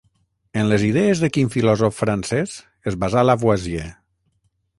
En les idees de quin filòsof francès es basà Lavoisier?